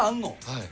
はい。